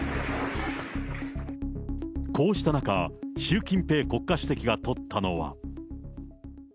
こうした中、習近平国家主席が取ったのは。